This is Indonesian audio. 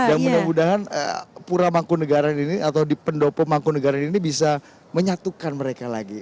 dan mudah mudahan pura mangku negara ini atau di pendopo mangku negara ini bisa menyatukan mereka lagi